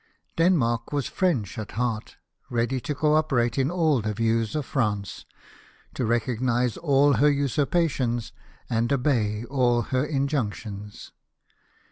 Denmark was French at heart, ready to co operate in all the views of France, to recognise all her usurpations, and obey all her in junctions.